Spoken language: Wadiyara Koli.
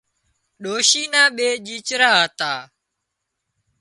ڏوشي نا ٻي ڄيچرا هتا